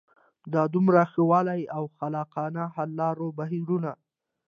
د دوامداره ښه والي او خلاقانه حل لارو بهیرونه